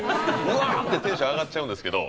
うわってテンション上がっちゃうんですけど